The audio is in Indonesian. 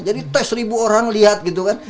jadi tes ribu orang lihat gitu kan